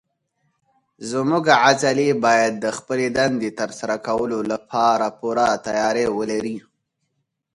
زموږ عضلې باید د خپلې دندې تر سره کولو لپاره پوره تیاری ولري.